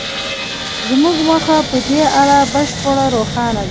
زموږ موخه په دې اړه بشپړه روښانه ده